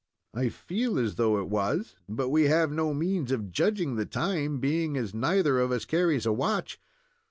"I feel as though it was, but we have no means of judging the time, being as neither of us carries a watch."